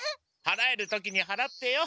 はらえる時にはらってよ。